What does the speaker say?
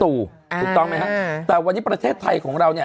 ถูกต้องไหมฮะแต่วันนี้ประเทศไทยของเราเนี่ย